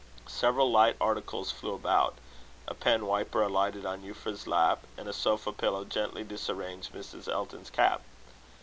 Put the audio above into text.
Several light articles flew about. A pen wiper alighted on Euphra's lap, and a sofa pillow gently disarranged Mrs. Elton's cap.